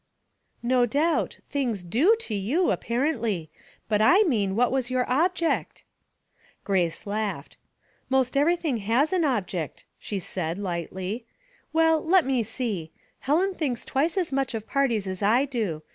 ''No doubt. Things do to you, apparently. But /mean what was your object?" Grace laughed. " Most everything has an object," she said, lightly. *' Well, let me see. Helen thinks twice as much of parties as I do.